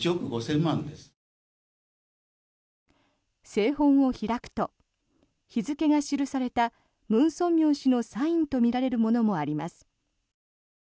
聖本を開くと、日付が記されたムン・ソンミョン氏のサインとみられるものもあります。